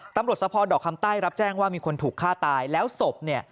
สะพอดอกคำใต้รับแจ้งว่ามีคนถูกฆ่าตายแล้วศพเนี่ย